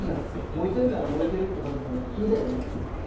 燃えてんなら燃えてるって書くのが普通だよね。